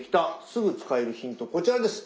すぐ使えるヒントこちらです。